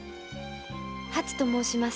“はつ”と申します。